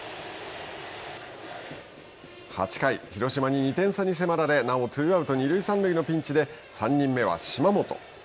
８回、広島に２点差に迫られなおもツーアウト、二塁三塁のピンチで３人目は島本。